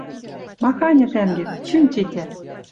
Маханьы тӓнгет, кӱн тетя?